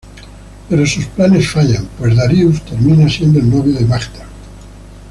Pero sus planes fallan, pues, Darius termina siendo el novio de Magda.